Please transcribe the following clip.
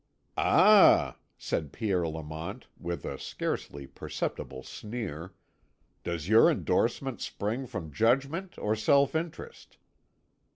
"Ah," said Pierre Lamont, with a scarcely perceptible sneer, "does your endorsement spring from judgment or self interest?"